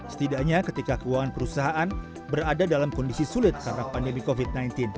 setidaknya ketika keuangan perusahaan berada dalam kondisi sulit karena pandemi covid sembilan belas